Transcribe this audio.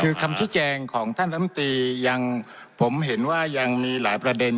คือคำชี้แจงของท่านลำตียังผมเห็นว่ายังมีหลายประเด็น